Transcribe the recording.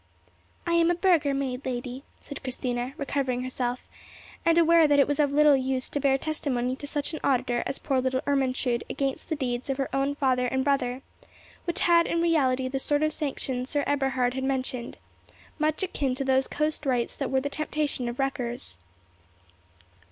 "I am a burgher maid, lady," said Christina, recovering herself, and aware that it was of little use to bear testimony to such an auditor as poor little Ermentrude against the deeds of her own father and brother, which had in reality the sort of sanction Sir Eberhard had mentioned, much akin to those coast rights that were the temptation of wreckers.